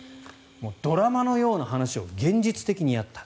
ドラマのような話を現実的にやった。